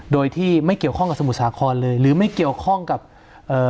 โดยที่ไม่เกี่ยวข้องกับสมุทรสาครเลยหรือไม่เกี่ยวข้องกับเอ่อ